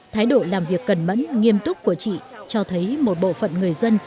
thái độ làm việc cẩn mẫn nghiêm túc của chị cho thấy một bộ phận người dân